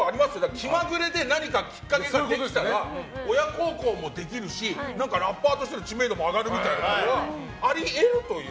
気まぐれで何かきっかけが起きたら親孝行もできるしラッパーとしての知名度も上がるみたいなあり得るという。